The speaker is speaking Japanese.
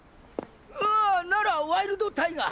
あぁならワイルドタイガー！